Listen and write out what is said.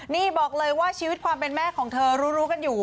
นี่บอกเลยว่าชีวิตความเป็นแม่ของเธอรู้กันอยู่